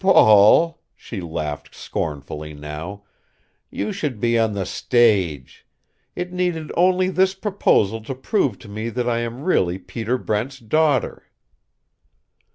"Paul" she laughed scornfully now "you should be on the stage. It needed only this proposal to prove to me that I am really Peter Brent's daughter."